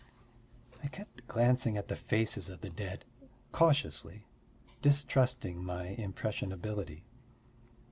I kept glancing at the faces of the dead cautiously, distrusting my impressionability.